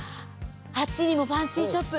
あっちにもファンシーショップ！